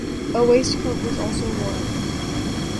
A waistcoat was also worn.